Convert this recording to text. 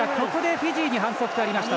フィジーに反則がありました。